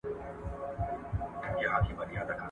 کېدای سي خلګ تېروتنه وکړي.